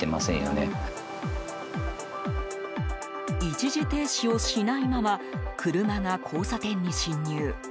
一時停止をしないまま車が交差点に進入。